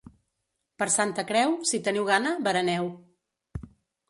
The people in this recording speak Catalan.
Per Santa Creu, si teniu gana, bereneu.